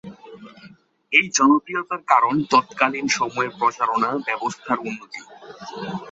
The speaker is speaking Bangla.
এই জনপ্রিয়তার কারণ তৎকালীন সময়ের প্রচারণা ব্যবস্থার উন্নতি।